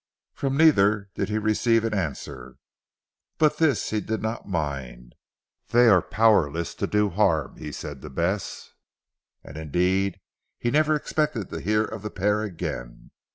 From neither did he receive an answer. But this he did not mind. "They are powerless to do harm," he said to Bess. And indeed he never expected to hear of the pair again.